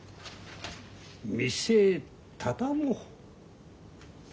店畳もう。